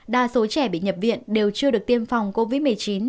đa số trẻ bị nhập viện đều chưa được tiêm phòng covid một mươi chín